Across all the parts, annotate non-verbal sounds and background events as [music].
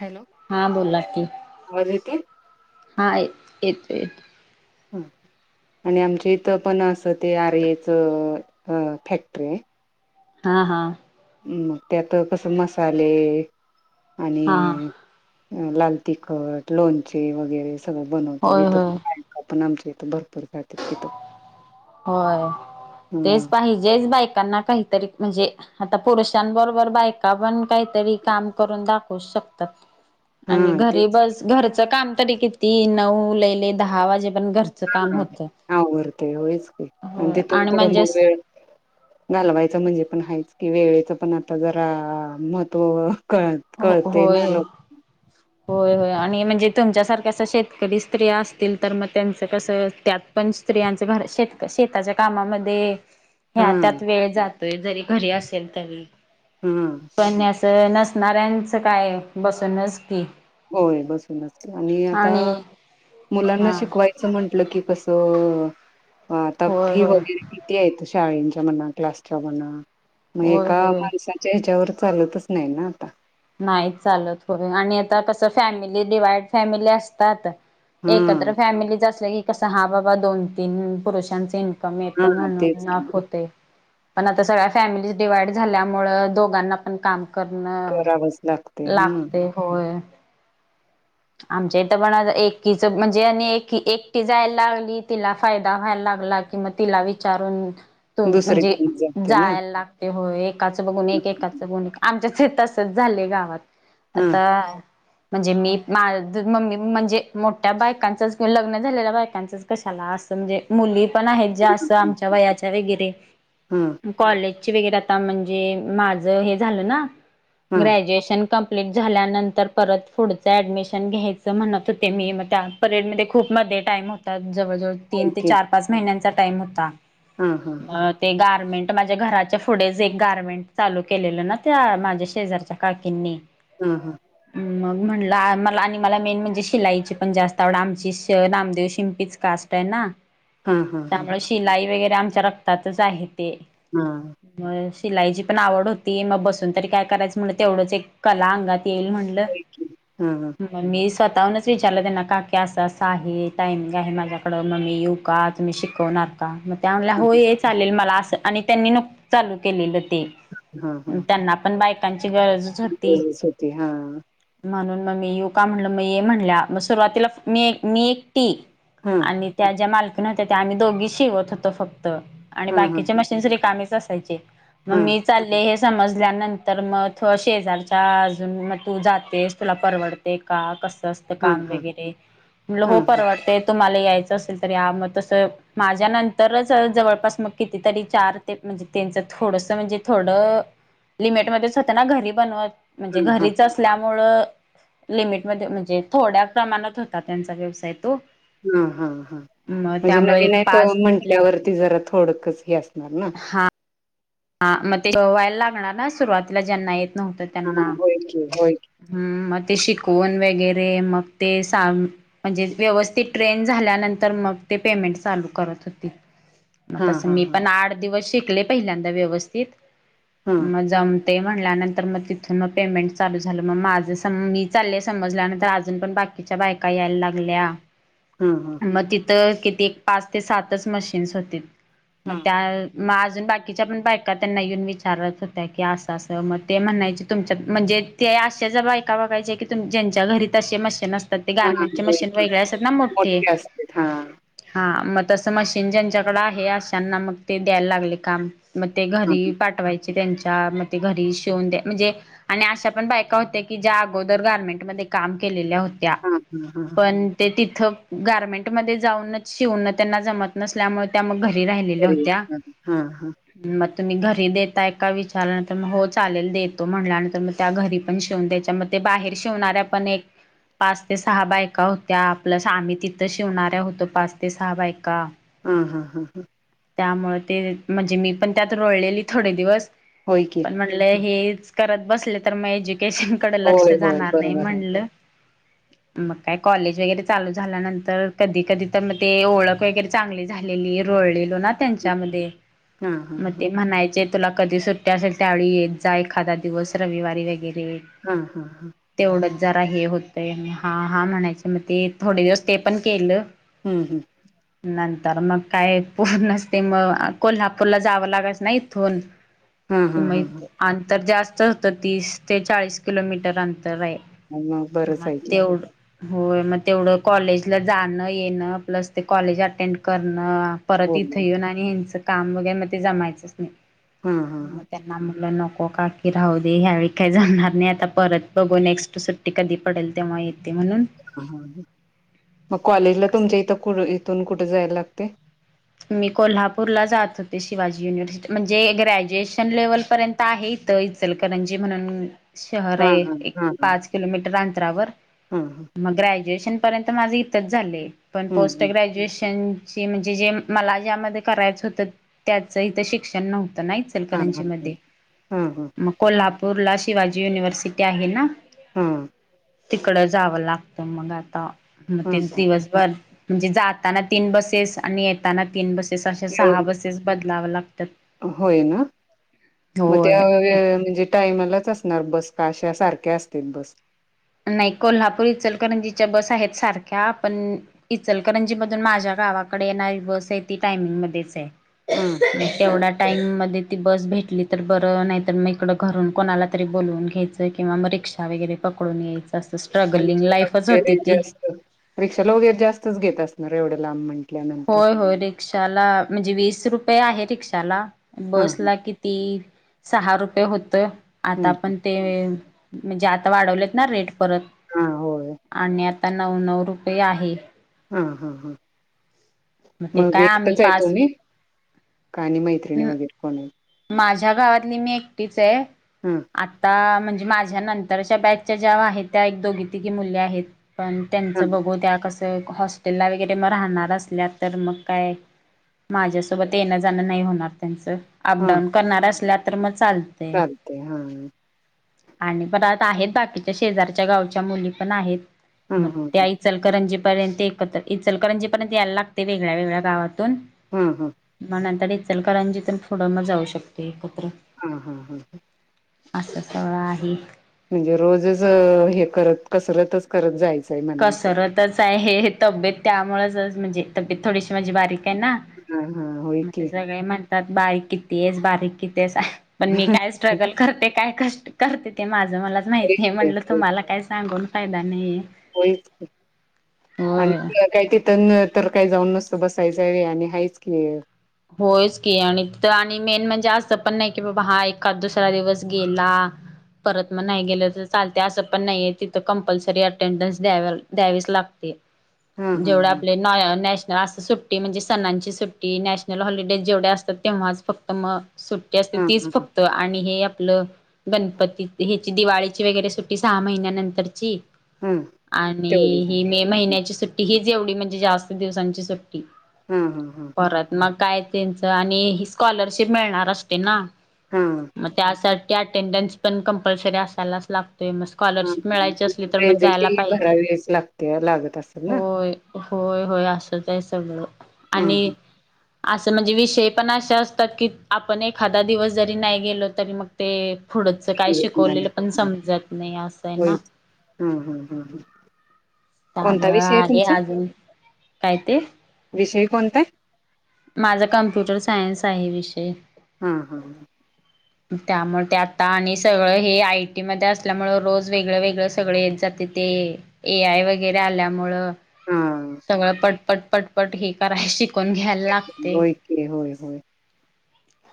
Hello. हा बोला की आवाज येते हा येतो य ह आणि आमच्या इथं पण असं ते आरयच फॅक्टरी आहे. हा हा. मग त्यात कस मसाले आणि हा अ लाल तिखट लोणचे वगैरे सगळं बनवते होय तथ होय आपण आमच्या इथं भरपर होय ह तेच पाहिजेच बायकांना काही तरी म्हणजे आता पुरुषांबरोबर बायका पण काहीतरी काम करून दाखवू शकतात हा आणि घरी तेच बस घरचं काम तरी किती नऊ लहिले दहा वाजे पण घर चं काम होत हा वरते होईच का आणि तिथून पुढं मग वेळ घालवायचं म्हणजे पण हाच की वेळेच पण आता जरा महत्त्व कळत हो कळते ना होय [inaudible] होय होय आणि म्हणजे तुमच्यासारख्या अस शेतकरी स्त्रिया असतील तर मग त्यांचं कसं त्यात पण स्त्रियांच घर शेत शेताच्या कामामध्ये हा ह्या त्यात वेळ जातोय जरी घरी असेल तरी हम्म पणण्यासं नसणाऱ्यांचं काय बसूनच की होय बसूनच आणि आता मुलांना हा शिकवायच म्हंटलं की कसंताप होय ही होय वगैरे य शाळेंच्या म्हणा क्लासच्या म्हणा मग होय एका होय माणसा ्याच्यावर चालतच नाही ना आता नाही चाल थोड आणि आता कसं फॅमिली डिवाइड फॅमिली असतात हा एकत्र फॅमिलीच असल्या की कस हा बाबा दोन तीन पुरुषांचे का म यट हा म्हणून तेच की नाफ होते पण आता सगळ्या फॅमिलीज डिवाइड झाल्यामुं दोघांना पण काम करणं लाख लागते होय आमच्या इथ पण एकीच म्हणजे आणि एकी एकटी जायला लागली तिला फायदा व्हायला लागला किंमतीला विचारून तो म्हणजे दुसरीकडे जाते ना जायला लागते होय एकाचं बघून एकेकाचं बघून आमच्या ते तसच झालंय गावात हा आता म्हणजे मी मा मम्मी म्हणजे मोठ्या बायकांचंच किं लग्न झालेल्या बायकांचंच कशाला असं म्हणजे मुली पण आहेत जा असं आमच्या वयाच्या वगैरे हम कॉज वर आ म्हणजे माझ हे झा ना हा गुश कंप्लीट झाल्यानंतर परत पुढ ऍडमिशन घ्यायचं म्हणत होते मी मग त्या परेड मध्ये खूप मध्ये टाइम हो त्या जवळ जवळ तीन ते ओके चार पाच महिन्यांचा टाइम होता हा हा ह ते गारमेंट माझ्या घराच्या पुढेच एक गारमेंट चालू केलेलं ना त्या माझ्या शेजारच्या किन हा हा ह म्हणलं मला आणि मला मेन म्हणजे शिलाईची पण जास्त आवड आमची नामदेव शिंपीच कास्ट आहे ना हा हा हा त्यामुळे शिलाई वगैरे आमच्या रक्तातच आहे ते हम मग शिलाईची पण आवड होती मग बसून तरी काय करायचं म्हटलं तेवढंच एक कला अंगात येईल म्हणटलं हा हा म मी स्वतःहूनच विचारलं त्यां ना का की असं असं आहे टाइमिंग आहे माझ्याकडं मम्मी येऊ काात म शिकवणार का मग त्या म्हल्या हा हो चालेल मला असं आणि त्यांनी नक चालू केलेलं ते हा हा त्यांना पण बायकांची गरजच होती गरजच होती हा म्हणून मग मी यू का म्हणलं मग ये म्हणल्या मग सुरुवातीला मी मी एकटी हा मा्या त्या आम्ही दोघी शवत होतो फक्त हा हा हा आणिकी रिकामेच असायचे मग हा मी चाले हे समजल्यानंतर मग त शेजारच्या अजून मग तू जातेस तुला परवडते का कसं असतं हा काम हा वगैरे म्हलं हा हो परवडते. तुम्हाला यायचं असेल तर या मग तसं माझ्या नंतरच जवळपास मग कितीतरी चार ते म्हणजे त्यांचं थोडस म्हणजे थोडं लिमिटमध्ये होता ना घरी बनवत म्हणजे हा घरीच असल्यामूळ लिमिटमध्ये म्हणजे थोड्या प्रमाणात होता त्यांचा व्यवसाय तो हा हा हा मग म्हणजे त्यामुळे नवीन एक आहे त पाच म्हंटल्यावरती जरा थोडकच हे असणार ना हा हा मग ते व्हायला लागणार ना सुरुवातीला ज्यांना येत नव्हतं हा त्यांना होय की होय की. हम्म मग ते शिकवून वगैरे मग ते सा म्हणजे व्यवस्थित ट्रेन झाल्यानंतर मग ते पेमेंट चालू करत होती. मग हा तसं हा मी हा पण आठ दिवस शिकले पहिल्यांदा व्यवस्थित हा मग जम ते म्हणल्यानंतर मग तिथून मग पेमेंट चालू झालं मग माझं मी चालले समजल्यानंतर अजून पण बाकी किच्या बायका आयला लागला. हा हा मग तिथ कि पाच ते सातच मशीन् होते हा मग त्या अजून बाकी बाकीच्या पण बायका त्यांना येऊन विचारत होत्या की असं असं मग ते म्हणयचे तुमच्या म्हणजे ते आशा ज्या बायका बघायचे की तुम ज्यांच्या घरीत असे मशीन असते. ते हा गार्मेंटचे होय मशीन की. वगरे असतात ना मोठे असते हा हा मग तसं मशीन ज्यांच्याकडे आहे अशांना मग ते द्यायला लागले काम मग ते हा घरी पाठवायचे त्यांच्या मग ते घरी शिवून द्या म्हणजे आणि अशा पण बायका होत्या की ज्या अगोदर गार्मेंटमध्ये काम केलेल्या होत. त्या हा हा हा. पण ते तिथं गारमेंट मध्ये जाऊन शिवन त्यांना जमत नसल्यामुळे त्या मग घरी राहिलेल्या तरी होत्या. हा हा हा मग तुम्ही घरी देताय का विचारल्यानंतर मग हो चालेल देतो म्हटल्यानंतर मग त्या घरी पण शिवून द्यायच्या मग ते बाहेर शिवणाऱ्या पण एक पाच ते सहा बायका होत्या आपल्या आम्ही तिथं शिवणाऱ्या होतो पाच ते सहा बायका हां हां हां हां त्या मुळे ते म्हणजे मी पण त्यात रोळलेली थोडे दिवस होय कि म्हंटलं हे करत बसले तर मग एज्युकेशन कडे लक्ष होय होय जाणार नाही बरोबर आहे. म्हणल. मग काय कॉलेज वगैरे चालू झाल्यानंतर कधी कधी तर मग ते ओळख वगैरे चांगली झालेली रोळलेलो ना त्यांच्यामध्ये हा हा मग हा ते म्हणायचे तुला कधी सुट्ट्या असेल त्यावेळी येत जा एखादा दिवस रविवारी वगैरे हा हा हा तेवढंच जरा हे होतंय हा हा म्हणायच मग ते थोडे दिवस ते पण केलं. हम हम नंतर मग काय पूर्णते मग कोल्हापूरला जावं लागायच नाही इथून हा हा हा हा. मग अंतर जास्त होतं तीस ते चाळीस किलोमीटर अंतर आहे. मग बरंच आहे की. तेवढ होय मग तेवढं कॉलेजला जाणं येणं प्लस ते कॉलेज अटेंड करणं परत इथं होय. येऊन आणि ह्यांचं काम वगैरे मग ते जमायचंच नाही. हा हा हा त्यांना म्हटलं नको काकी राहू दे ह्यावेळी काही जाणार नाही आता परत बघू नेक्स्ट कधी पडेल तेव्हा येते म्हणून ह मग कॉलेजला तुमच्या इथं कु इथून कुठे जायला लागते. मी कोल्हापूरला जात होते शिवाजी युनिव्हर्सिटी म्हणजे ग्रॅज्युएशन लेव्हलपर्यंत आहे इथं इचलकरंजी म्हणून शहर हा आहे हा. एक हा हा हा हा पाच किलोमीटर अंतरावर हम्म मग ग्रॅज्युएशन माझे इथंच झाले पण पोस्ट हम्म ग्रॅज्युएशन म्हणजे जे मला ज्यामध्ये करायचं होतं त्याचं इथं शिक्षण नव्हतं नाहीच, हा इचलकरंजी हा. मध्ये हां, हां, मग कोल्हापूरला शिवाजी युनिव्हर्सिटी आहे ना, हा तिकड जावं लागतं मग आता म ते हां, दिवसभर म्हणजे जाताना तीन बसेस आणि येताना तीन बसेस अशा सहा एवढं बसेस बदलाव लागतात. होय ना मग होय त्या म्हणजे टाईमालाच असणार बस काशा सारख्या असते बस नाही कोल्हापूरी इचलकरंजीच्या बस आहेत सारख्या पण इचलकरंजी मधून माझ्या गावाकडे येणारी बस आहे ती टायमिंग मध्येच आहे. हां, [unintelligible] टाईम मध्ये ती बस भेटली तर बरं नाही तर मग इकडं घरून कोणाला तरी बोलवून घ्यायचं किंवा मग रिक्षा. वगैरे पकडून यायचं असं मग स्ट्रगलिंग रिक्षाला लाईफच वगैरे होती ती. जास्त रिक्षाला वगैरे जास्तच घेत असणार एवढं लांब म्हणजे. होय होय रिक्षाला म्हणजे वीस रुपये आहे. रिक्षाला हां, हां, बसला कि ती सहा रुपये होतं आता हं, पण ते म्हणजे आता वाढवलेत ना रेट परत हां, होय. आणि आ आता नऊ नऊ रुपये आहे. हा हा हा. ते मग काय आम्ही एकटच आहे तु पाच मी काणी मैत्रिणी वगैरे कोण आहे. माझ्या गावातली मी एकटीच आहे. हम् आता म्हणजे माझ्या नंतरच्या बॅकच्या ज्या आहेत त्या एक दोघी तिघी मुल्या आहेत. पण हां, त्यांचं बघू त्या कसं हॉस्टेलला वगैरे मग राहणार असल्या तर मग काय. माझ्यासोबत येणं जाणं नाही होणार त्यांचं अपडाऊन करणार असल्या तर मग चाल करते हा आणि पण आता आहेत बाकीच्या शेजारच्या गावच्या मुली पण आहेत हां, मग हां, त्या चलकरंजी पर्यंत एकत्र चलकरंजी पर्यंत यायला लागते वेगळ्या वेगळ्या गावातून हा हा. मण आता डचलकरांजीतून पुुढं मग जाऊ शकते एकत्र. ह हा हा ह असं सगळं आहे. म्हणजे रोजच हे करत कसरतच करत जायचंय म्हणायचं तरच आहे हे तब्येत त्यामुळेच म्हणजे तब्येत थोडीशी माझी बारीक आहे ना. हां, हां, होय मग ते की. सगळे म्हणतात बारीक किती आहेस बारीक किती आहेस पण मी काय स्ट्रगल करते काय कष्ट करते ते माझं मलाच तेच माहिती आहे म्हणटलं की तुम्हाला काय सांगून. फायदा नाही आहे. होच आणि काही तथन तर काही जाऊन नसतं बसायचं आहे आणि हाच की होयच की आणि तर आणि मेन म्हणजे असं पण नाही की बाबा हा एका दुसरा दिवस गेला परत मग नाही गेलं तर चालते असं पण नाहीये तिथं कंपल्सरी अटेंडन्स द्या द्यावीच लागते. हा हा जेवढ हा. आपले नॅशनल अस सुट्टी म्हणजे सणांची सुट्टी नश हॉलिडे जेवढ्या असतात तेव्हाच फक्त मग सुट्टी असते हा तीच हा हा फक्त आणि आपलं गणपती ह्याची दिवाळीची वगैरे सुट्टी सहा महिन्यानंतरची हा आणि तेवढीच ही मे महिन्याची सुट्टी हीच एवढी म्हणजे जास्त दिवसांची सुट्टी हा हा हा परत मग काय त्यांचं आणि ह स्कॉलरशिप मिळणार असते ना. हा. हा मग त्यासाठी अटेंडन्स पण कंपल्सरी असायलाच लागतोय मस्त स्कॉलरशिप हा. मिळायची असली तर मग जायला प्रेझेंटी पाहिजेत. भरावीच लागते लागत असंल. होय होय होय असच आहे सगळं हा आणि. हा. असं म्हणजे विषय पण अशे असतात की आपण एखादा दिवस जरी नाही गेलो तरी मग ते पुढंच काय शिकवलेलं पण समजत नाही असं आहे ना हं हं ह् ह. त्यामुळं आहे अजून काय ते विषय कोणता आहे? माझं कंप्युटर सायन्स आहे विषय हां हां. त्यामुळे ते आता आणि सगळं हे आय टी मध्ये असल्यामुळे रोज वेगळं वेगळ सगळं येत जातंय ते ए आय वगैरे आल्यामुळं हा सगळं पटपट पटपट हे करायची कोण घ्यायला लागतंय होय की होय होय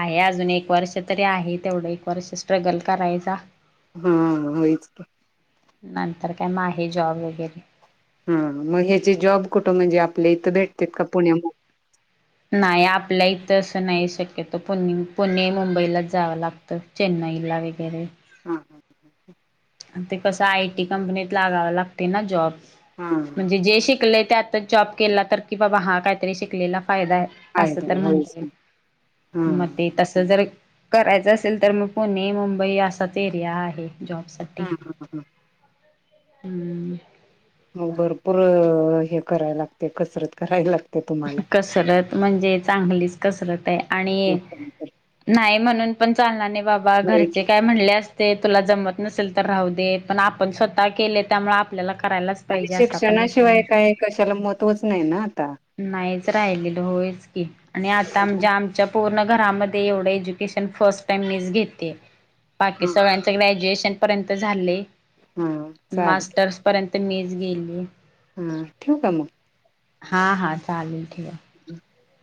आहे अजून एक वर्ष तरी आहे तेवढं एक वर्ष स्ट्रगल करायचा हा होयच की नंतर काय मग आहे जॉब वगैरे हा मग ह्याचे जॉब कुठं म्हणजे आपल्या इथं भेटतेत का पुण्यामुंबई नाही आपल्या इथं असं नाही शक्यतो पु पुणे मुंबईलाच जावं लागतं चेन्नईला वगैरे हा ते कसं आय टी कंपनीत लागावं लागतय ना जॉब हा म्हणजे जे शिकलेय ते आताच जॉब केला तर की बाबा हा काहीतरी शिकलेला फायदा आहे. फायदा असं तर म्हणता होयच येईल की हा मग ते तस जर करायचं असेल तर मग पुणे मुंबई असाच एरिया आहे जॉबसाठी हा हा हा हुं मग भरपूर हे करायला लागते कसरत कराय लागते तर कसरत म्हणजे चांगलीच कसरत आहे आणि होय नाही म्हणून पण चालणार नाही बाबा घरचे की काय म्हणले अस ते तुला जमत नसेल तर राहू दे पण आपण स्वतः केलय त्यामुळे आपल्याला करायलाच आणि पाहिजे असं पण विषय शिक्षणाशिवाय काय कशाला महत्वच नाही ना आता नाहीच राहिलेलं होयच की. आणि आता म्हणजे आमच्या पूर्ण घरामध्ये एवढं एज्युकेशन फर्स्ट टाइम मीच घेते बाकी हा सगळ्यांच ग्रॅज्युएशन पर्यंत झालंय हा चालते मास्टर्स पर्यंत मीच गेलीय हुं ठेऊ का मग? हा हा चालेल ठेवा. [unintelligible]